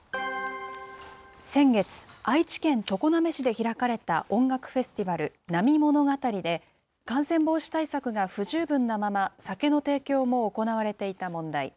先月、愛知県常滑市で開かれた音楽フェスティバル、ＮＡＭＩＭＯＮＯＧＡＴＡＲＩで、感染防止対策が不十分なまま、酒の提供も行われていた問題。